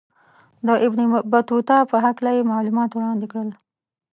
د ابن بطوطه په هکله یې معلومات وړاندې کړل.